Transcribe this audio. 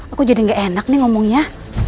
aku jadi gak enak nih ngomongnya